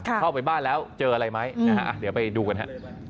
เข้าไปบ้านแล้วเจออะไรไหมนะฮะเดี๋ยวไปดูกันฮะ